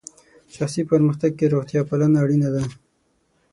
شخصي پرمختګ کې روغتیا پالنه اړینه ده.